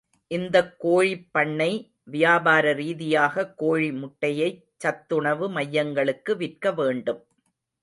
இந்தக் கோழிப்பண்ணை, வியாபார ரீதியாகக் கோழி முட்டையைச் சத்துணவு மையங்களுக்கு விற்க வேண்டும்.